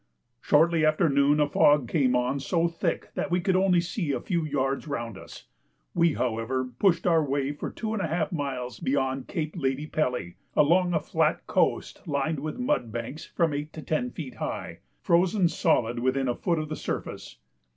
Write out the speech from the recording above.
Shortly after noon a fog came on so thick that we could only see a few yards round us; we, however, pushed our way for 2½ miles beyond Cape Lady Pelly, along a flat coast lined with mud banks from eight to ten feet high, frozen solid within a foot of the surface.